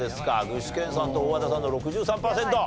具志堅さんと大和田さんの６３パーセント。